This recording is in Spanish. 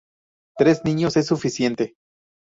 Tres niños es suficiente.